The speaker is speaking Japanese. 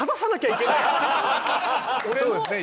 そうですね。